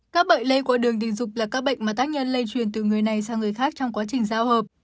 các bệnh lây qua đường tình dục là các bệnh mà tác nhân lây truyền từ người này sang người khác trong quá trình giao hợp